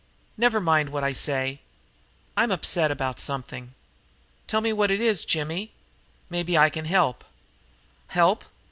Never mind what I say. I'm upset about something." "Tell me what it is, Jimmy. Maybe I can help." "Help?"